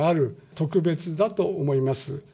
特別だと思います。